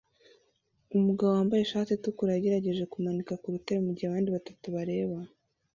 Umugabo wambaye ishati itukura yagerageje kumanika ku rutare mugihe abandi batatu bareba